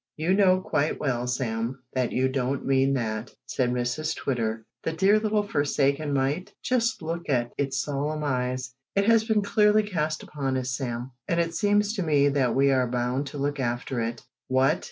"You know quite well, Sam, that you don't mean that," said Mrs Twitter, "the dear little forsaken mite! Just look at its solemn eyes. It has been clearly cast upon us, Sam, and it seems to me that we are bound to look after it." "What!